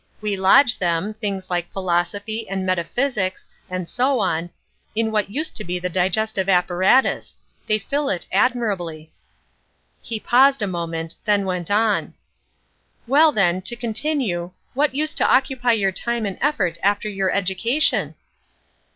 We lodge them—things like philosophy and metaphysics, and so on—in what used to be the digestive apparatus. They fill it admirably." He paused a moment. Then went on: "Well, then, to continue, what used to occupy your time and effort after your education?"